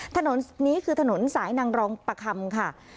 ถนนนี้คือถนนสายนางรองประคำค่ะ